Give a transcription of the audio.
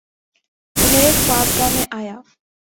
وہ میرے خواب گاہ میں آیا